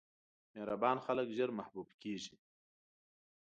مهربان خلک ژر محبوب کېږي.